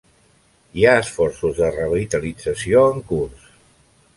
Hi ha esforços de revitalització en curs.